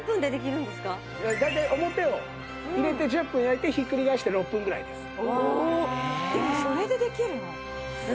大体表を入れて１０分焼いてひっくり返して６分ぐらいです。